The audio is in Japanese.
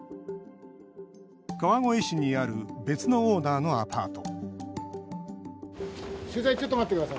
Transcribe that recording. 川越市にある別のオーナーのアパート